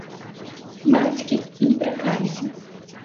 Бацькі я не выракаюся!